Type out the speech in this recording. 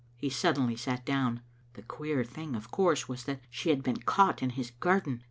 He suddenly sat down. The queer thing, of course, was that she had been caught in his garden.